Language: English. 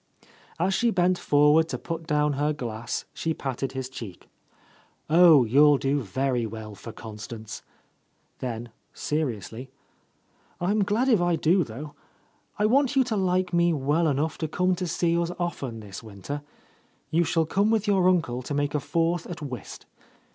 As she bent forward to put down her glass she patted his cheek. "Oh, you'll do very well for Constance!" Then, seriously, "I'm glad if I do, though. I want you to like me well enough to come to see us often this winter. You shall —. 39 — A Lost Lady come with your uncle to make a fourth at whist.